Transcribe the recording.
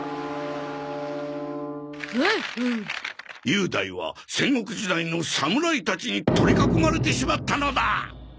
雄大は戦国時代の侍たちに取り囲まれてしまったのだ！